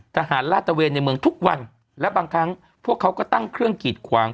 ลาดตะเวนในเมืองทุกวันและบางครั้งพวกเขาก็ตั้งเครื่องกีดขวาง